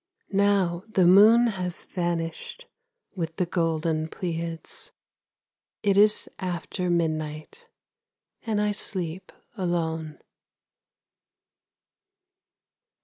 Now the moon has vanished With the golden Pleiads; It is after midnight And I sleep alone.